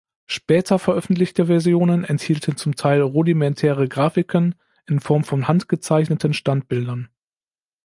Später veröffentlichte Versionen enthielten zum Teil rudimentäre Grafiken in Form von handgezeichneten Standbildern.